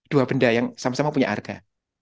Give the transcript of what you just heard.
dua benda yang sama sama punya harga